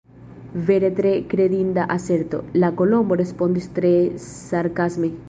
"Vere tre kredinda aserto!" la Kolombo respondis tre sarkasme.